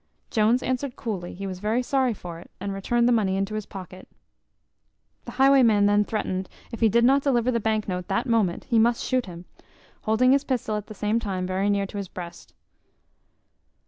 Jones answered coolly, he was very sorry for it, and returned the money into his pocket. The highwayman then threatened, if he did not deliver the bank note that moment, he must shoot him; holding his pistol at the same time very near to his breast.